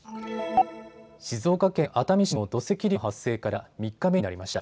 静岡県熱海市の土石流の発生から３日目になりました。